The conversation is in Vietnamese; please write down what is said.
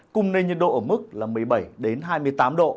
cùng nền nhiệt độ ở mức là một mươi bảy hai mươi tám độ